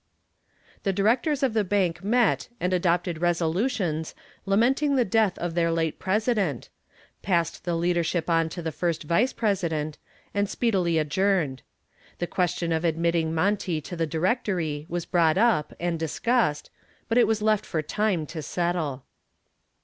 The directors of the bank met and adopted resolutions lamenting the death of their late president, passed the leadership on to the first vice president and speedily adjourned. The question of admitting Monty to the directory was brought up and discussed, but it was left for Time to settle.